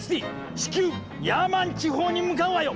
至急ヤーマン地方に向かうわよ！